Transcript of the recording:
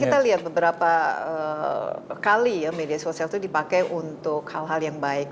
dan kita lihat beberapa kali ya media sosial itu dipakai untuk hal hal yang baik